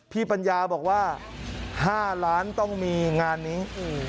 ปัญญาบอกว่า๕ล้านต้องมีงานนี้